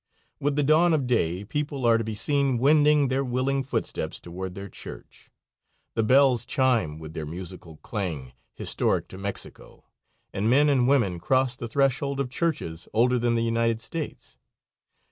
With the dawn of day people are to be seen wending their willing footsteps toward their church. The bells chime with their musical clang historic to Mexico, and men and women cross the threshold of churches older than the United States.